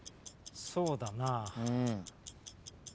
そうだなあ。